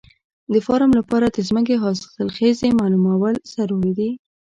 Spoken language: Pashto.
د فارم لپاره د ځمکې حاصلخېزي معلومول ضروري دي.